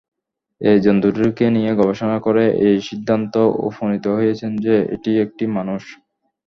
এই জন্তুটিকে নিয়ে গবেষণা করে এই সিদ্ধান্তে উপনীত হয়েছেন যে, এটি একটি মানুষ।